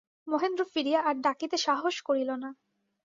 মহেন্দ্র ফিরিয়া আর ডাকিতে সাহস করিল না।